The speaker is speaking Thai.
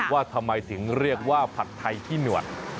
ว่าทำไมถึงเรียกว่าผัดไทยขี้หนวด